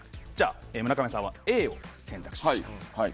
村上さんはＡを選択しました。